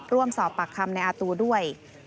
ร่วมสอบปากคำในอาตูด้วย